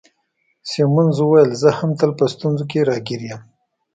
سیمونز وویل: زه هم تل په ستونزو کي راګیر یم.